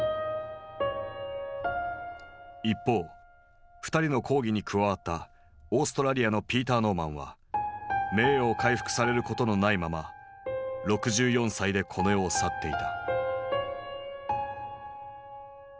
一方２人の抗議に加わったオーストラリアのピーター・ノーマンは名誉を回復されることのないまま６４歳でこの世を去っていた。